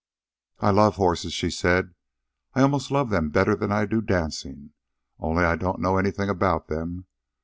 "I love horses," she said. "I almost love them better than I do dancing, only I don't know anything about them.